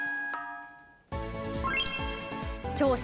きょう正